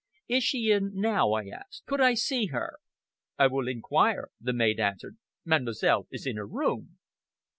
"Is she in now?" I asked. "Could I see her?" "I will inquire," the maid answered. "Mademoiselle is in her room."